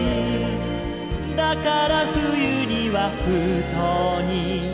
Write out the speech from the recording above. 「だから冬には封筒に」